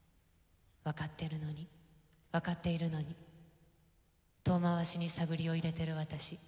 わかってるのにわかっているのに遠回しに探りをいれてる私。